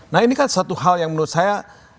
nah ini kan satu hal yang menurut saya